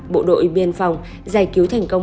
bộ đội biên phòng giải cứu thành công